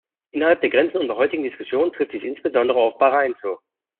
Innerhalb der Grenzen unserer heutigen Diskussion trifft dies insbesondere auf Bahrain zu.